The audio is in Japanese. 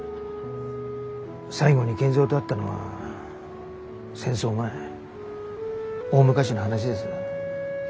最後に賢三と会ったのは戦争前大昔の話です。